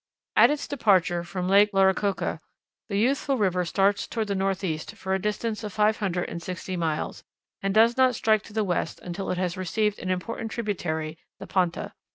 At its departure from Lake Lauricocha the youthful river starts toward the northeast for a distance of five hundred and sixty miles, and does not strike to the west until it has received an important tributary the Panta.